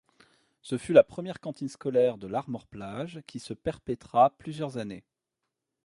Ce fut la première cantine scolaire de Larmor-Plage qui se perpétra plusieurs années.